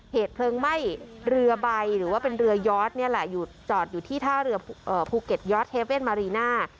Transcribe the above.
เหตุเพลิงไหม้เรือใบหรือว่าเป็นเรือยอดนี่แหละอยู่จอดอยู่ที่ท่าเรือภูเก็ตยอดเทเว่นมารีน่า